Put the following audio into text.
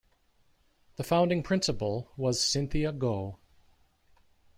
The founding Principal was Cynthia Goh.